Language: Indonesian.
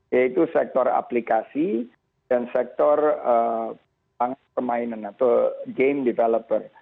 yaitu sektor aplikasi dan sektor permainan atau game developer